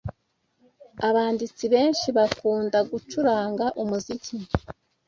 Abanditsi benshi bakunda gucuranga umuziki